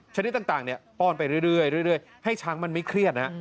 ชนิดต่างป้อนไปเรื่อยให้ช้างมันไม่เครียดนะฮะ